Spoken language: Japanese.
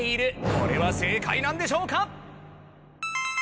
これは正解なんでしょうか？